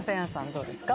どうですか？